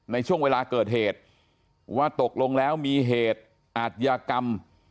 ในช่วงเวลาเกิดเหตุว่าตกลงแล้วมีเหตุอาทยากรรม